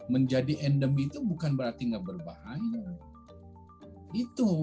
menjadi endemi itu bukan berarti nggak berbahaya